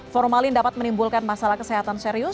formalin dapat menimbulkan masalah kesehatan serius